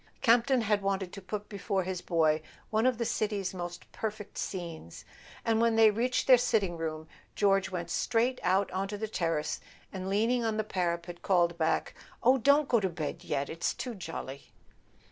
Campton had wanted to put be¬ fore his boy one of the city's most perfect scenes; and when they reached their sitting room George went straight out onto the terrace, and leaning on the para¬ pet, called back: "Oh, don't go to bed yet—it's too jolly."